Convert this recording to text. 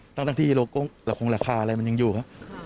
ตั้งที่ละครคาอะไรมันยังอยู่ครับ